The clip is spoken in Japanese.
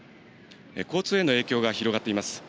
交通への影響が広がっています。